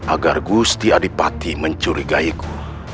agar gusti adipati mencuri gaiku